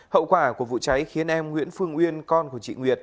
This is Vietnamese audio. hậu quả của vụ cháy khiến em nguyễn phương uyên con của chị nguyệt